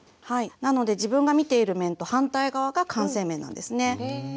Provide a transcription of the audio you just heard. なので自分が見ている面と反対側が完成面なんですね。